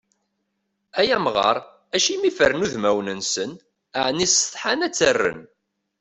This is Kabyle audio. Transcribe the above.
Ay amɣar, acimi fren udmawen-nsen? Ɛni setḥan ad ttren?